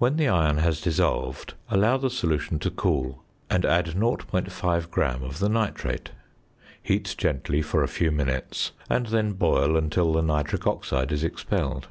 When the iron has dissolved, allow the solution to cool, and add 0.5 gram of the nitrate. Heat gently for a few minutes, and then boil until the nitric oxide is expelled.